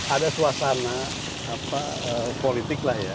ada suasana politik lah ya